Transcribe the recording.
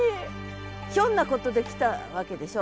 ひょんなことで来たわけでしょ。